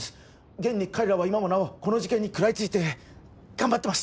現に彼らは今もなおこの事件に食らいついて頑張ってます